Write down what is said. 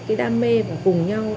cái đam mê của cùng nhau